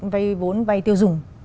vay vốn vay tiêu dùng